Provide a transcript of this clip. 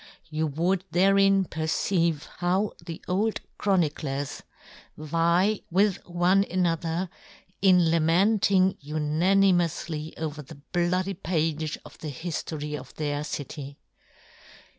You would therein perceive how the old chroni clers vie with one another in lament ing unanimoufly over this bloody page of the hiftory of their city.